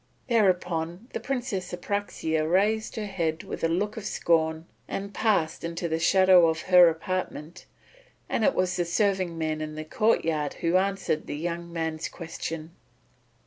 Thereupon the Princess Apraxia raised her head with a look of scorn and passed into the shadow of her apartment; and it was the serving men in the courtyard who answered the young man's question.